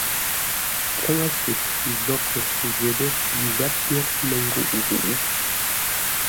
Tsáŋə́se nzóghʼə́ ghəpə́ pi gháp pyér mə́ ngûʼ-ghuʼú.